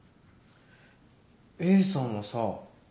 Ａさんはさ